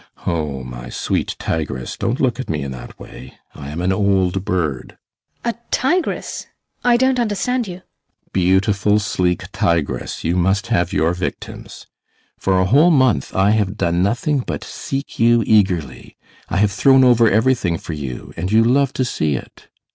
Oh, my sweet tigress! don't look at me in that way; I am an old bird! HELENA. [Perplexed] A tigress? I don't understand you. ASTROFF. Beautiful, sleek tigress, you must have your victims! For a whole month I have done nothing but seek you eagerly. I have thrown over everything for you, and you love to see it.